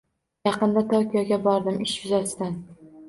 Yaqinda Tokioga bordim, ish yuzasidan